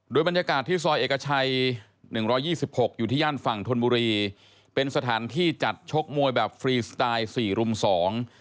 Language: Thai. โดยบรรยากาศที่ซอยเอกชัยหนึ่งร้อยยี่สิบหกอยู่ที่ย่านฝั่งธนบุรีเป็นสถานที่จัดชกมวยแบบฟรีสไตล์สี่รุ่มสอง